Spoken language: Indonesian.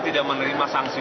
tidak menerima sanksi